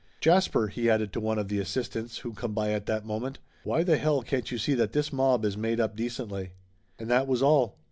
Jasper!" he added to one of the assistants who come by at that moment. "Why the hell can't you see that this mob is made up decently ?" And that was all.